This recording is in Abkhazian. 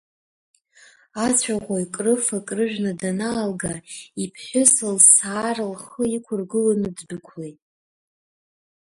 Ацәаӷәаҩ крыфа-крыжәны данаалга, иԥҳәыс лсаара лхы иқәыргыланы ддәықәлеит.